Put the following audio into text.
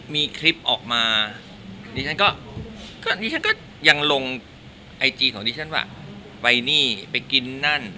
มีคลิปออกมาดิฉันก็ดิฉันก็ยังลงไอจีของดิฉันว่าไปนี่ไปกินนั่น